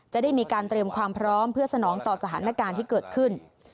จะได้มีการเตรียมความพร้อมเพื่อสนองต่อสถานการณ์ที่เกิดขึ้น